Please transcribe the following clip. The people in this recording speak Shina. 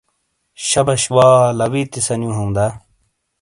شبش وا لاوِیتی سنیو ہوں دا ؟